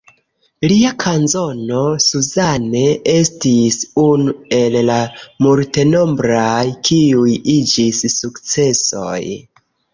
Lia kanzono "Suzanne" estis unu el la multenombraj, kiuj iĝis sukcesoj.